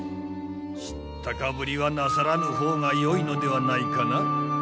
知ったかぶりはなさらぬ方がよいのではないかな？